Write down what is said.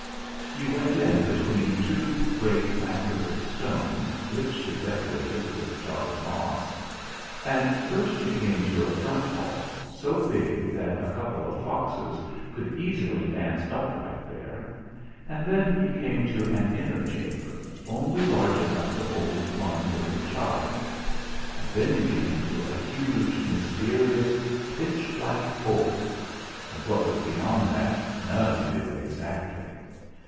You went in between two great masses of stone, richly deco rated with dark moss ; and first you came to a front hall, so big that a couple of foxes could easily dance upright there; and then you came to an inner chamber, only large enough to hold one little child; and then you came to a huge, mysterious, pitch black hole ; and what was be yond that none knew exactly.